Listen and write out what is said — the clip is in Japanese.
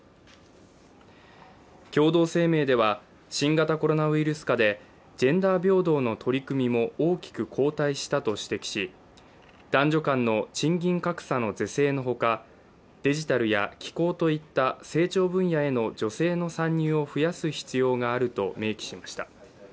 共同声明では、新型コロナウイルス禍でジェンダー平等の取り組みも大きく後退したと指摘し、男女間の賃金格差の是正の他、デジタルや気候といった成長分野への女性の参入を増やす必要があると明記しました。